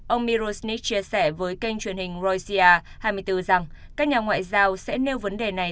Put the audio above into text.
ông mirosnich chia sẻ với kênh truyền hình roisia hai mươi bốn rằng các nhà ngoại giao sẽ nêu vấn đề này